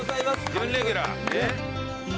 準レギュラー。